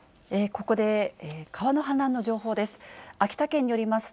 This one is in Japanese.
ここで、川の氾濫の情報です。